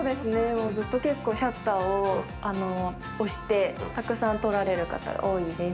もうずっと結構シャッターを押してたくさん撮られる方が多いです。